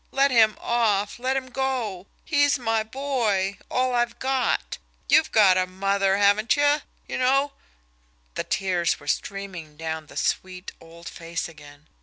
Let him off, let him go! He's my boy all I've got! You've got a mother, haven't you? You know " The tears were streaming down the sweet, old face again.